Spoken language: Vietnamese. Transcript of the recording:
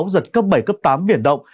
giật cấp bảy tám biển động